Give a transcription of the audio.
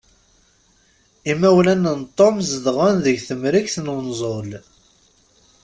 Imawlan n Tom zedɣen deg temrikt n unẓul.